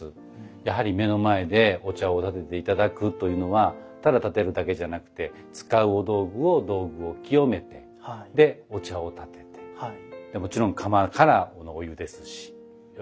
やはり目の前でお茶を点てていただくというのはただ点てるだけじゃなくて使うお道具を清めてでお茶を点ててもちろん釜からのお湯ですしより一層おいしいと思います。